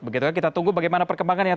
begitu kita tunggu bagaimana perkembangannya